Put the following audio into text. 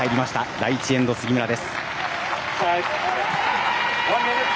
第１エンド杉村です。